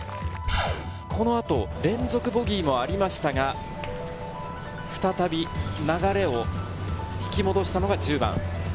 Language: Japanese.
このあと連続ボギーもありましたが、再び流れを引き戻したのが１０番。